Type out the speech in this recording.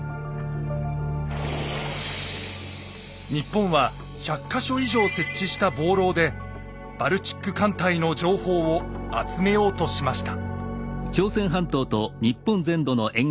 日本は１００か所以上設置した望楼でバルチック艦隊の情報を集めようとしました。